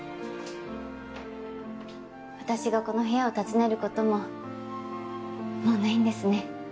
私がこの部屋を訪ねる事ももうないんですね。